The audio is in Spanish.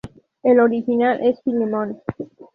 El original es de Filemón.